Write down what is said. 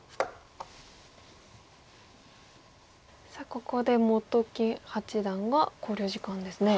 さあここで本木八段が考慮時間ですね。